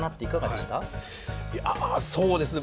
いやそうですね